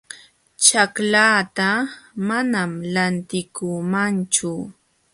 Ćhaklaata manam lantikuumanchu